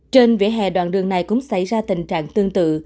trên vỉa hè đoạn đường này cũng xảy ra tình trạng tương tự